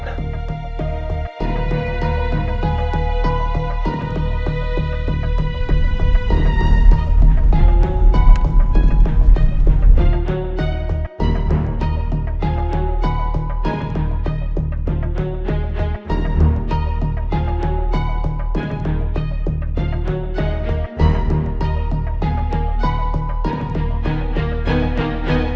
negoti bahwa dia mengantuk